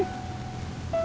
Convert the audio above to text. ya buat berjudi